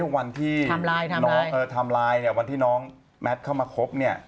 วันที่น้องทำลายวันที่น้องแมทเข้ามาคบ